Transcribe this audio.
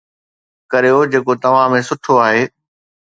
ڪريو جيڪو توهان ۾ سٺو آهي